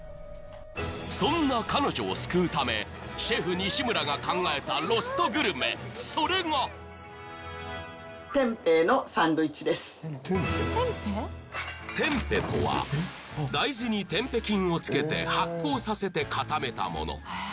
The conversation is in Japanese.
そんな彼女を救うためシェフ西邨が考えたロストグルメそれがテンペとは大豆にテンペ菌をつけて発酵させて固めたもの